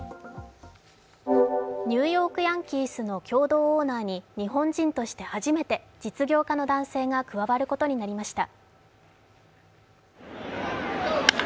ニューヨーク・ヤンキースの共同オーナーに日本人として初めて実業家の男性が加わることになりました。